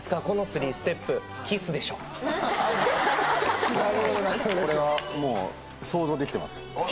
このスリーステップこれはもう想像できてます